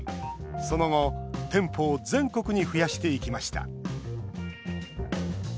その後、店舗を全国に増やしていきました。